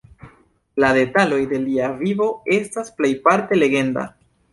La detaloj de lia vivo estas plejparte legenda.